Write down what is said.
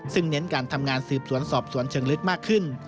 ซึ่งเน้นการทำงานสืบสวนสอบสวนเชิงลึกมากขึ้น